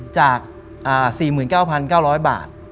จาก๔๙๙๐๐บาท